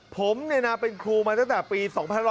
ผมเนี่ยนะเป็นครูมาตั้งแต่ปี๒๐๓๖